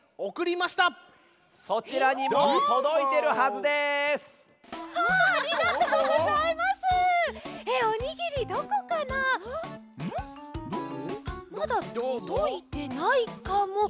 まだとどいてないかも。